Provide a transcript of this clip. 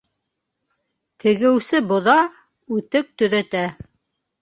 Тегеүсе боҙа, үтек төҙәтә.